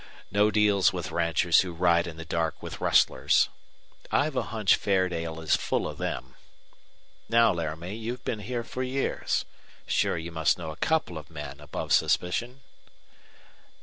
No deals with ranchers who ride in the dark with rustlers! I've a hunch Fairdale is full of them. Now, Laramie, you've been here for years. Sure you must know a couple of men above suspicion."